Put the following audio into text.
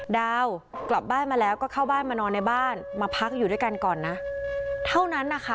ดาวกลับบ้านมาแล้วก็เข้าบ้านมานอนในบ้านมาพักอยู่ด้วยกันก่อนนะเท่านั้นนะคะ